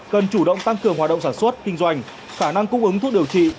cần chủ động tăng cường hoạt động sản xuất kinh doanh khả năng cung ứng thuốc điều trị